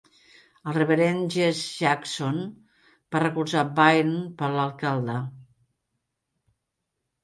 El reverend Jesse Jackson va recolzar Byrne per a l'alcalde.